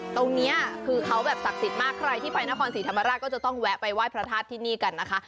เดี๋ยวฉันไปนครศรีธรรมราชก็จะต้องแวะไปว่ายพระทาสที่นี่กันนะคะ